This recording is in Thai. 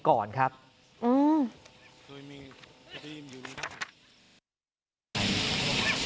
ครับอืม